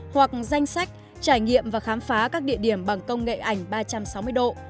hoặc danh sách trải nghiệm và khám phá các địa điểm bằng công nghệ ảnh ba trăm sáu mươi độ